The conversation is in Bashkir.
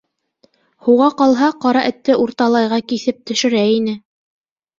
Һуға ҡалһа, Ҡара Этте урталайға киҫеп төшөрә ине.